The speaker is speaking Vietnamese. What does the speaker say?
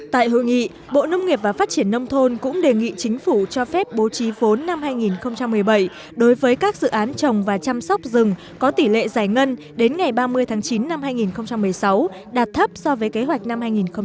tại hội nghị bộ nông nghiệp và phát triển nông thôn cũng đề nghị chính phủ cho phép bố trí vốn năm hai nghìn một mươi bảy đối với các dự án trồng và chăm sóc rừng có tỷ lệ giải ngân đến ngày ba mươi tháng chín năm hai nghìn một mươi sáu đạt thấp so với kế hoạch năm hai nghìn một mươi tám